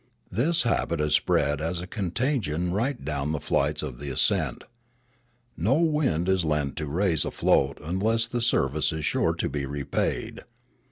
This habit has spread as a contagion right down the flights of the ascent. No wind is lent to raise a fioat unless the service is sure to be repaid.